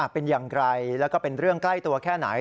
เป็นอย่างไรแล้วก็เป็นเรื่องใกล้ตัวแค่ไหน